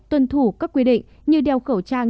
tuân thủ các quy định như đeo khẩu trang